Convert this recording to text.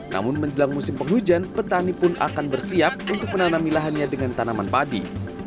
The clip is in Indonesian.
namun menjelang musim penghujan petani pun akan bersiap untuk menanami lahannya dengan tanaman padi